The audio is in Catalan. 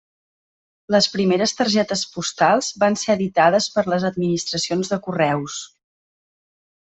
Les primeres targetes postals van ser editades per les administracions de Correus.